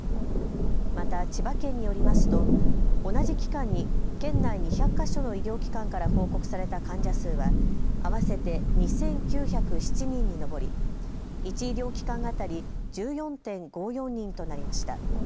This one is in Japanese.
また千葉県によりますと同じ期間に県内２００か所の医療機関から報告された患者数は合わせて２９０７人に上り１医療機関当たり１４．５４人となりました。